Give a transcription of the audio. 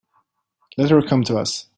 Let her come to us.